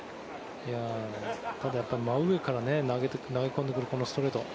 ただ、やっぱり真上から投げ込んでくるこのストレート。